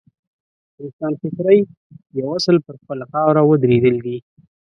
روښانفکرۍ یو اصل پر خپله خاوره ودرېدل دي.